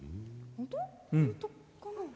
本当かな？